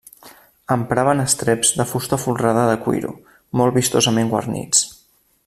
Empraven estreps de fusta folrada de cuiro, molt vistosament guarnits.